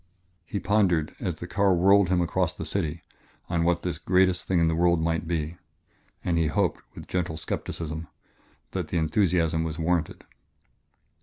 He pondered, as the car whirled him across the city, on what this greatest thing in the world might be. And he hoped with gentle skepticism that the enthusiasm was warranted.